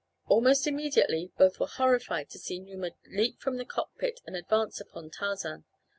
Almost immediately both were horrified to see Numa leap from the cockpit and advance upon Tarzan.